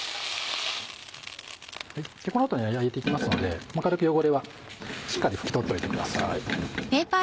この後焼いていきますので軽く汚れはしっかり拭き取っておいてください。